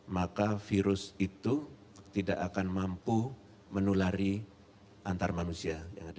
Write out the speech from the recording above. maka virus itu tidak akan mampu menulari antar manusia